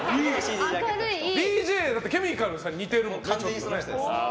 ＤＪケミカルさんに似てるしね。